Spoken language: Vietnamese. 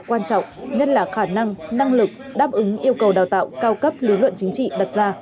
quan trọng nhất là khả năng năng lực đáp ứng yêu cầu đào tạo cao cấp lý luận chính trị đặt ra